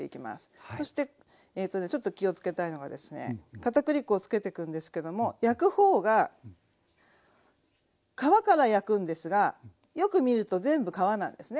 片栗粉をつけてくんですけども焼く方が皮から焼くんですがよく見ると全部皮なんですね。